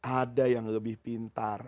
ada yang lebih pintar